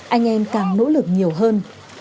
anh em càng nỗ lực nhiều hơn